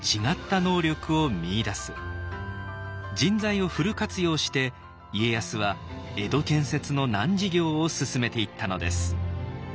人材をフル活用して家康は江戸建設の難事業を進めていったのです。